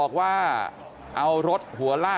กลับไปลองกลับ